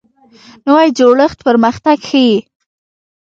نوی جوړښت پرمختګ ښیي